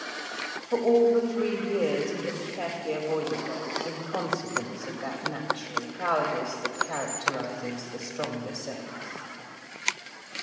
For, all the three years, he had carefully avoided her in consequence of that natural cowardice that characterises the stronger sex.